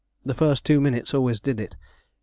The first two minutes always did it. Mr.